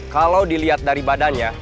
kalau dilihat dari badannya